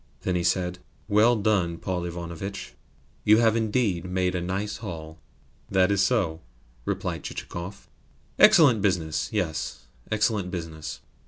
Then he said: "Well done, Paul Ivanovitch! You have indeed made a nice haul!" "That is so," replied Chichikov. "Excellent business! Yes, excellent business!"